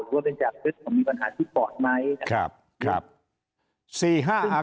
หรือว่ามีคำถามบาปมันขยายปกติไหม